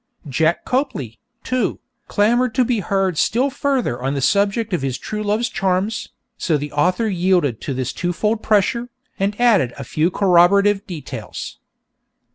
Jack Copley, too, clamoured to be heard still further on the subject of his true love's charms, so the author yielded to this twofold pressure, and added a few corroborative details.